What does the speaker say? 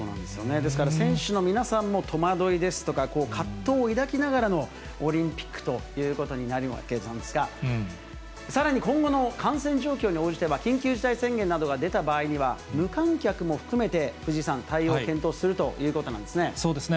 ですから、選手の皆さんも戸惑いですとか、葛藤を抱きながらのオリンピックということになるわけなんですが、さらに今後の感染状況に応じて、緊急事態宣言などが出た場合には、無観客も含めて、藤井さん、対応を検討するということなんでそうですね。